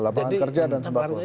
labangan kerja dan sembako